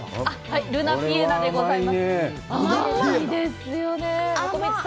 はい、ルナピエナでございます。